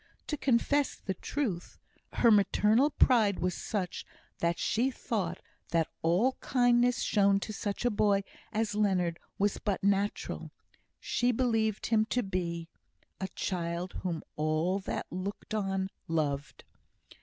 To confess the truth, her maternal pride was such that she thought that all kindness shown to such a boy as Leonard was but natural; she believed him to be A child whom all that looked on, loved.